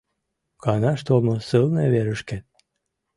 Канаш толмо сылне верышкет.